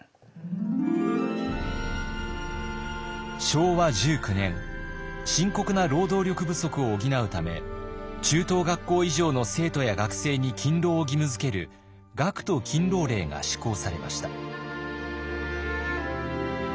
昭和１９年深刻な労働力不足を補うため中等学校以上の生徒や学生に勤労を義務づける学徒勤労令が施行されました。